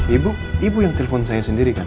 ibu ibu yang telpon saya sendiri kan